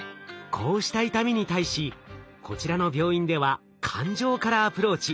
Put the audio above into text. こうした痛みに対しこちらの病院では感情からアプローチ。